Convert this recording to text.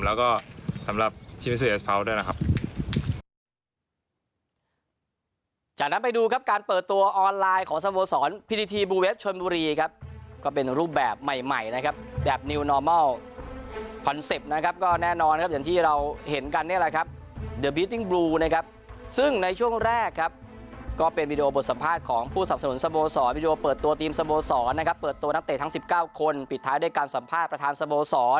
แล้วก็สำหรับชีวิตภาพด้วยนะครับ